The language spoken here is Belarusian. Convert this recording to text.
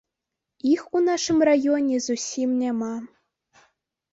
Іх у нашым раёне зусім няма.